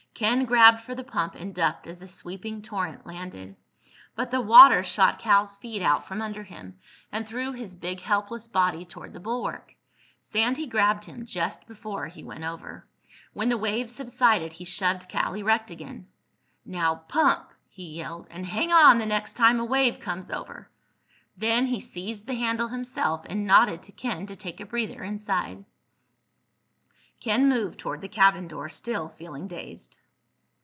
Ken grabbed for the pump and ducked as the sweeping torrent landed. But the water shot Cal's feet out from under him and threw his big helpless body toward the bulwark. Sandy grabbed him just before he went over. When the wave subsided he shoved Cal erect again. "Now pump!" he yelled. "And hang on the next time a wave comes over!" Then he seized the handle himself and nodded to Ken to take a breather inside. Ken moved toward the cabin door, still feeling dazed.